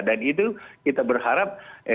dan itu kita berharap